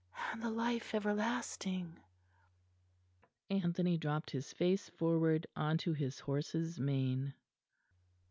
"And the Life Everlasting."... Anthony dropped his face forward on to his horse's mane.